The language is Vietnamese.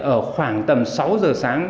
ở khoảng tầm sáu giờ sáng